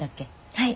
はい。